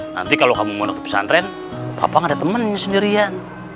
nanti kalau kamu mau nonton pesantren papa nggak ada temen nih sendirian